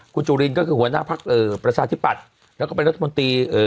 คุณจูลินก็คือหัวหน้าภักดิ์เอ่อประสาทิบัติแล้วก็เป็นรัฐมนตรีเอ่อ